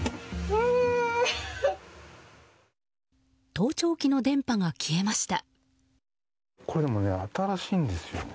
盗聴器の電波が消えました。